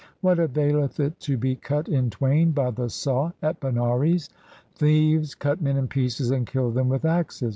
What availeth it to be cut in twain by the saw at Banaras? thieves cut men in pieces and kill them with axes.